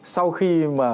sau khi mà